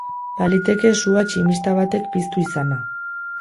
Baliteke sua tximista batek piztu izana.